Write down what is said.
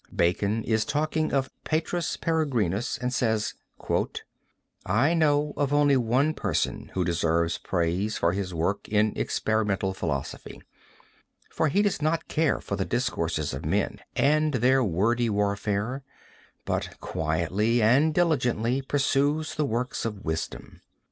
Bacon is talking of Petrus Peregrinus and says: "I know of only one person who deserves praise for his work in experimental philosophy, for he does not care for the discourses of men and their wordy warfare, but quietly and diligently pursues the works of wisdom.